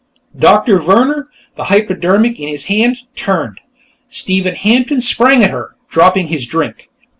Doctor Vehrner, the hypodermic in his hand, turned. Stephen Hampton sprang at her, dropping his drink.